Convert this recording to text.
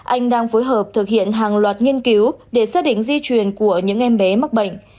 anh đang phối hợp thực hiện hàng loạt nghiên cứu để xác định di truyền của những em bé mắc bệnh